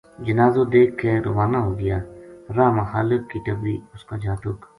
جنازو رکھ کے روانہ ہو گیا راہ ما خالق کی ٹبری اس کا جاتک